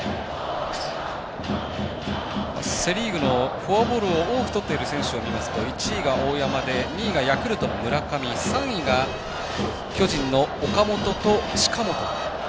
セ・リーグのフォアボールを多くとっている選手を見ますと１位が大山で２位がヤクルトの村上３位が巨人の岡本と、近本。